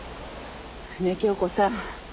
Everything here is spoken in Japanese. ねえ杏子さん。